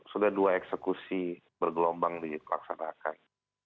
sudah dua eksekusi bergelombang dilaksanakan